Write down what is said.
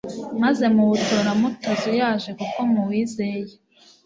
maze muwutora mutazuyaje kuko muwizeye